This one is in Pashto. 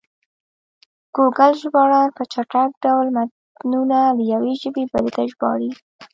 ګوګل ژباړن په چټک ډول متنونه له یوې ژبې بلې ته ژباړي.